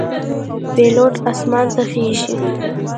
پیلوټ آسمان ته خیژي.